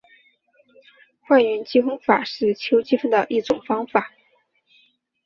换元积分法是求积分的一种方法。